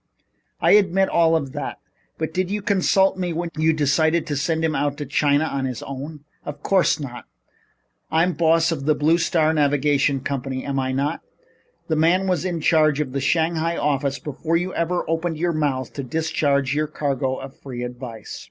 "I admit all of that. But did you consult me when you decided to send him out to China on his own?" "Of course not. I'm boss of the Blue Star Navigation Company, am I not? The man was in charge of the Shanghai office before you ever opened your mouth to discharge your cargo of free advice."